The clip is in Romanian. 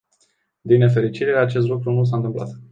Din nefericire, acest lucru nu s-a întâmplat.